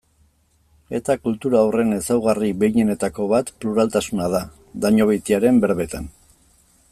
Eta kultura horren ezaugarri behinenetako bat pluraltasuna da, Dañobeitiaren berbetan.